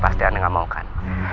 pasti anda nggak mau kan